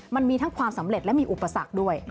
มันมีทั้งความสำเร็จและมีอุปสรรคด้วย